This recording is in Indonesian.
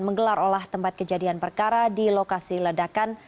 menggelar olah tempat kejadian perkara di lokasi ledakan